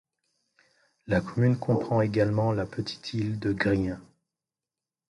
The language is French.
La commune comprend également la petite île de Griend.